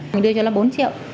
mình đưa cho nó bốn triệu